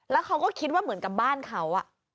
แล้วเขาก็คิดว่าเหมือนกับบ้านเขา